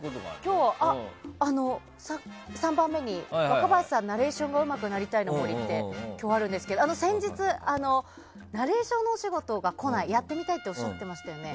今日は若林さんナレーションがうまくなりたいの森ってあるんですけど先日、ナレーションのお仕事をやってみたいっておっしゃってましたよね。